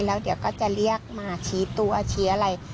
แล้วเดี๋ยวก็จะเรียกมาชี้ตัวชี้อะไร